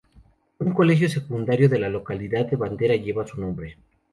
Un colegio secundario de la localidad de Bandera lleva su nombre.